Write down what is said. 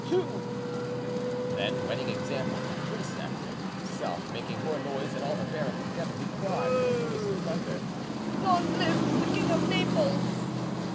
too;" then, wedding example to precept, and himself making more noise than all the barons together, he cried in a voice of thunder— "Long live the King of Naples!"